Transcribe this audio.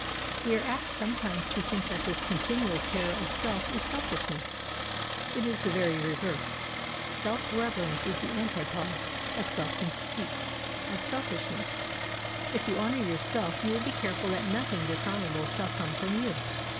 We are apt sometimes to think that this continual care of self is selfishness; it is the very reverse. Self reverence is the antipode of self conceit, of selfishness. If you honour yourself, you will be careful that nothing dishonourable shall come from you.